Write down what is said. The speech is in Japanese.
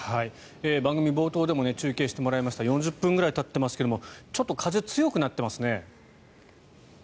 番組冒頭でも中継してもらいました４０分ぐらいたっていますけれどちょっと風強くなってますね。